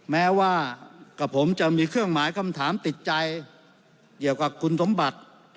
แม้ว่ากับผมจะมีเครื่องหมายคำถามติดใจเกี่ยวกับคุณสมบัติ